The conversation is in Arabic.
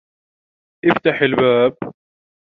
افتح الباب.